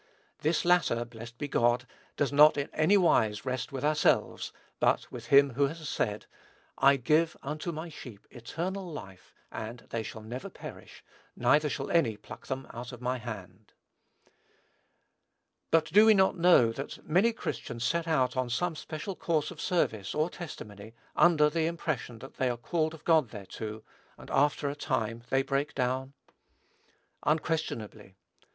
This latter, blessed be God, does not in any wise rest with ourselves, but with him who has said, "I give unto my sheep eternal life, and they shall never perish, neither shall any pluck them out of my hand." But do we not know that many Christians set out on some special course of service or testimony, under the impression that they are called of God thereto, and after a time they break down? Unquestionably.